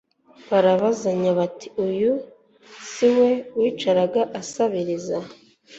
barabazanya bati : «Uyu si we wicaraga asabiriza?»